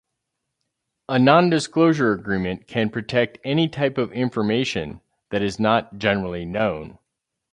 A nondisclosure agreement can protect any type of information that is not generally known.